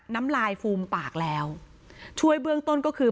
น้ำลายฟูมปากแล้วช่วยเบื้องต้นก็คือ